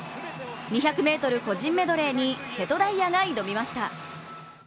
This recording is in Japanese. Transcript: ２００ｍ個人メドレーに瀬戸大也が挑みました。